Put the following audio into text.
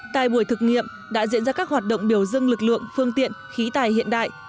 tại buổi thực nghiệm đã diễn ra các hoạt động biểu dương lực lượng phương tiện khí tài hiện đại